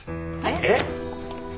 えっ！？